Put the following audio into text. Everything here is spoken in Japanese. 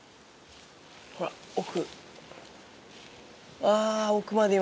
ほら奥。